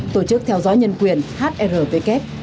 tổ chức theo dõi nhân quyền hrvk